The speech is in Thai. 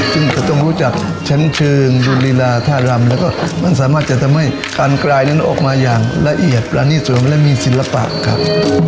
ซึ่งก็ต้องรู้จักชั้นเชิงดุรีลาท่ารำแล้วก็มันสามารถจะทำให้การกลายนั้นออกมาอย่างละเอียดประณีสวมและมีศิลปะครับ